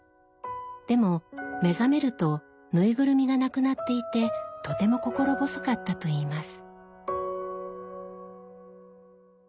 でも目覚めるとぬいぐるみがなくなっていてとても心細かったといいます。